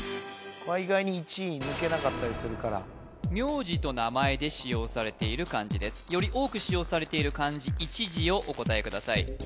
これ意外に１位抜けなかったりするから名字と名前で使用されている漢字ですより多く使用されている漢字１字をお答えください